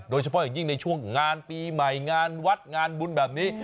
โดยเฉพาะอย่างยิ่งในช่วงงานปีใหม่งานวัดงานบุญแบบนี้